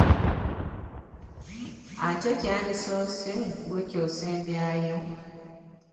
Ate ekyandisoose gwe ky'osembyayo?